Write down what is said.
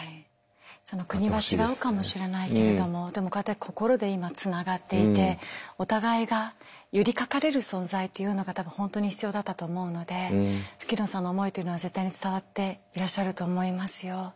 国は違うかもしれないけれどもこうやって心で今つながっていてお互いが寄りかかれる存在というのが多分本当に必要だったと思うので吹野さんの思いというのは絶対に伝わっていらっしゃると思いますよ。